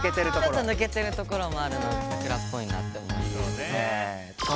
ちょっとぬけてるところもあるのサクラっぽいなって思う。